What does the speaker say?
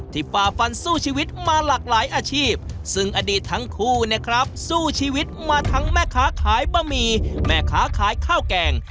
ฝ่าฟันสู้ชีวิตมาหลากหลายอาชีพซึ่งอดีตทั้งคู่เนี่ยครับสู้ชีวิตมาทั้งแม่ค้าขายบะหมี่แม่ค้าขายข้าวแกง